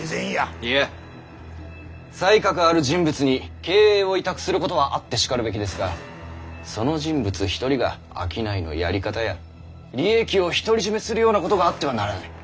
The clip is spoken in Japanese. いや才覚ある人物に経営を委託することはあってしかるべきですがその人物一人が商いのやり方や利益を独り占めするようなことがあってはならない。